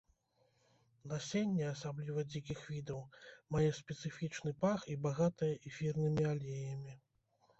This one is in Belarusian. Насенне, асабліва дзікіх відаў, мае спецыфічны пах і багатае эфірнымі алеямі.